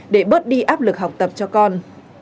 để bớt đi áp lực học tập cho con